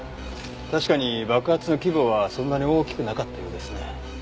確かに爆発の規模はそんなに大きくなかったようですね。